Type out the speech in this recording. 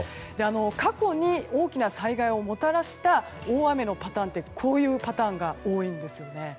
過去に、大きな災害をもたらした大雨のパターンってこういうパターンが多いんですよね。